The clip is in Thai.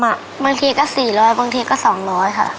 บางทีก็สี่ร้อยบางทีก็สองร้อยค่ะ